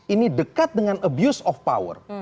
ini dekat dengan abuse of power